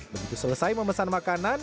begitu selesai memesan makanan